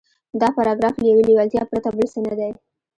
دا پاراګراف له يوې لېوالتیا پرته بل څه نه دی.